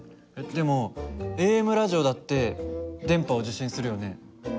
でもＡＭラジオだって電波を受信するよね。